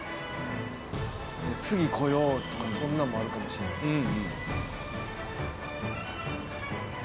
次来ようとかそんなんもあるかもしれないですね。